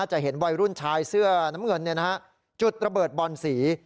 จะเห็นวัยรุ่นชายเสื้อน้ำเงินจุดระเบิดบอนสี